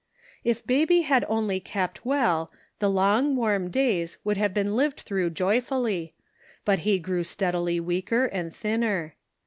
If baby had only kept well, the long warm days would have been lived through joy fully, but he grew steadily weaker and thinner.